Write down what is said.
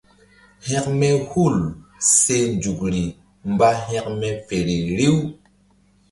Hekme hul se nzukri mba hekme feri riw.